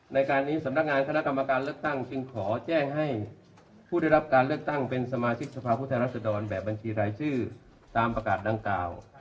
ในการนี้สำนักงานคณะกรรมการเลือกตั้งจึงขอแจ้งให้ผู้ได้รับการเลือกตั้งเป็นสมาชิกสภาพผู้แทนรัศดรแบบบัญชีรายชื่อตามประกาศดังกล่าว